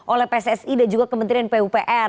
oleh pssi dan juga kementerian pupr